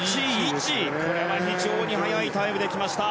これは非常に速いタイムできました。